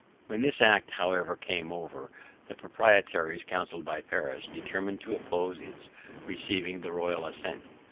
When this act however came over, the proprietaries, counselled by Paris, determined to oppose its receiving the royal assent.